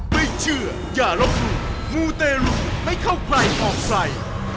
ไม่เชื่ออย่ารบรูปมูเตรุไม่เข้าใกล้ออกไฟ